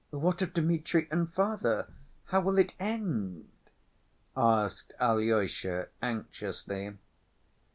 "What of Dmitri and father? how will it end?" asked Alyosha anxiously.